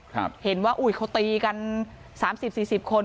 เห็นว่าอุ้ยเขาตีกันสามสิบสี่สิบคน